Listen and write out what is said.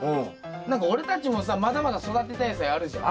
何か俺たちもさまだまだ育てたい野菜あるじゃん。